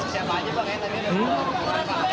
siapa aja pak kayaknya tadi